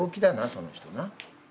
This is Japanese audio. その人な。